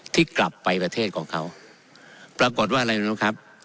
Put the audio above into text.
ที่กลับไปประเทศของเขาปรากฏว่าอะไรรู้ครับ